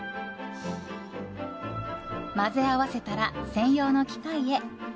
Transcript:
混ぜ合わせたら専用の機械へ。